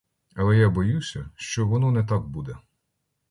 Але я боюся, що воно не так буде.